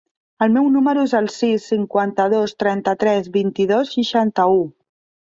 El meu número es el sis, cinquanta-dos, trenta-tres, vint-i-dos, seixanta-u.